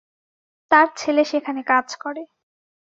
তাঁর ছেলে সেখানে কাজ করে।